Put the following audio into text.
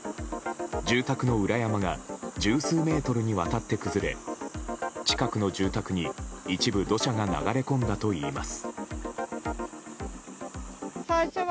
住宅の裏山が十数メートルにわたって崩れ近くの住宅に一部土砂が流れ込んだといいます。